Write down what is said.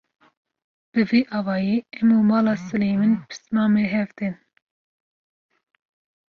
bi vî awayî em û mala Silêmîn pismamê hev tên